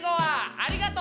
ありがとう！